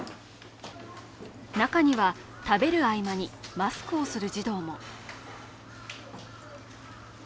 中には、食べる合間にマスクをする児童も。